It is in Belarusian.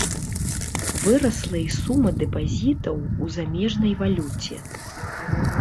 Вырасла і сума дэпазітаў у замежнай валюце.